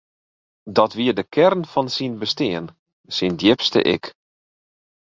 Dat wie de kearn fan syn bestean, syn djipste ik.